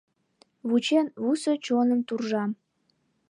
Вучен, вусо чоным туржам.